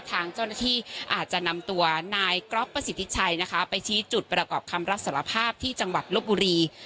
ทางเจ้าหน้าที่อาจจะนำตัวนายก๊อฟประสิทธิชัยนะคะไปชี้จุดประกอบคำรับสารภาพที่จังหวัดลบบุรี